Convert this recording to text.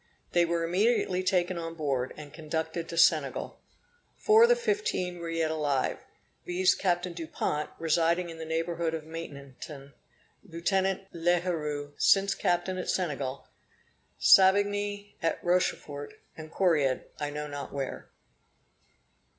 They were immediately taken on board, and conducted to Senegal. Four of the fifteen are yet alive, viz. Captain Dupont, residing in the neighborhood of Maintenon, Lieutenant L'Heureux, since Captain at Senegal, Savigny, at Rochefort, and Correard, I know not where.